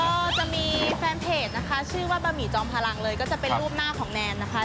ก็จะมีแฟนเพจนะคะชื่อว่าบะหมี่จอมพลังเลยก็จะเป็นรูปหน้าของแนนนะคะ